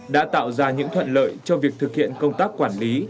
đã tạo ra những thuận lợi cho việc thực hiện công tác quản lý